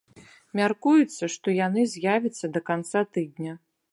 Мяркуецца, што яны з'явяцца да канца тыдня.